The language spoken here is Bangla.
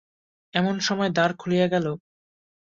এমন সময় দ্বার খুলিয়া গেল।